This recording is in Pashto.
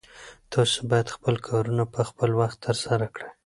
تاسو باید خپل کارونه په خپل وخت ترسره کړئ.